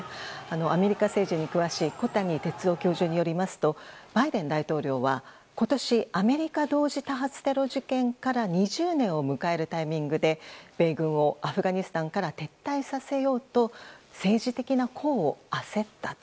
アメリカ政治に詳しい小谷哲男教授によりますとバイデン大統領は、今年アメリカ同時多発テロ事件から２０年を迎えるタイミングで米軍をアフガニスタンから撤退させようと政治的な功を焦ったと。